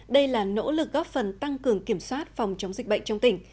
đây là nỗ lực góp phần tăng cường kiểm soát phòng chống dịch bệnh trong tỉnh